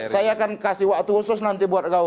saya akan kasih waktu khusus nanti buat gaul